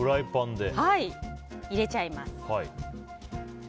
入れちゃいます。